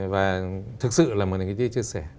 và thực sự là một nền kinh tế chia sẻ